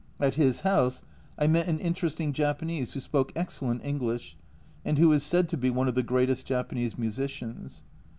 At his house I met an interesting Japanese who spoke excellent English, and who is said to be one of the greatest Japanese musicians.